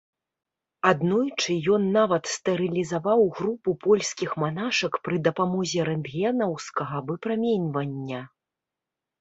Аднойчы ён нават стэрылізаваў групу польскіх манашак пры дапамозе рэнтгенаўскага выпраменьвання.